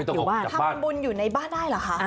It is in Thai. ทำบุญอยู่ในบ้านได้เหรอคะ